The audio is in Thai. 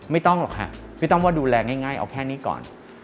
ไม่ต้องหรอกค่ะพี่ต้อมว่าดูแลง่ายเอาแค่นี้ก่อน